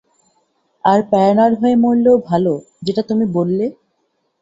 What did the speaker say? আর paranoid হয়ে মরলেও ভালো যেটা তুমি বললে।